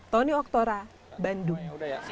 tony oktora bandung